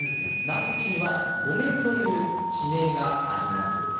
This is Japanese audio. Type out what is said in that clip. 南国市には後免という地名があります。